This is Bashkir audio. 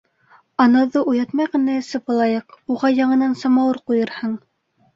Анауҙы уятмай ғына эсеп алайыҡ, уға яңынан самауыр ҡуйырһың.